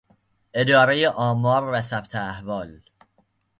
ادارهٔ آمار و ثبت احوال